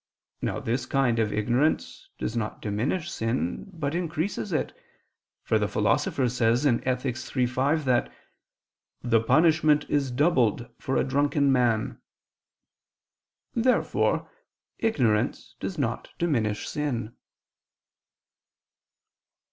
Now this kind of ignorance does not diminish sin, but increases it: for the Philosopher says (Ethic. iii, 5) that the "punishment is doubled for a drunken man." Therefore ignorance does not diminish sin.